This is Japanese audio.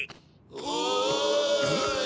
おい。